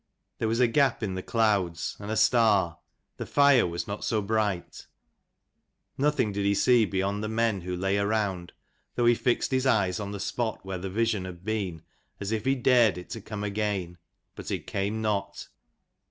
There was a gap in the clouds, and a star. The fire was not so bright. Nothing did he see beyond the men who lay around, though he fixed his eyes on the spot where the vision had been, as if he dared it to come again. But it came not.